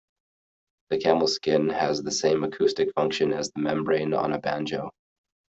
The camel skin has the same acoustic function as the membrane on a banjo.